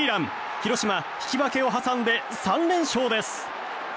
広島、引き分けを挟んで３連勝です。